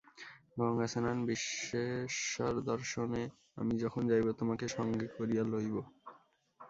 গঙ্গাস্নান-বিশ্বেশ্বরদর্শনে আমি যখন যাইব তোমাকে সঙ্গে করিয়া লইব।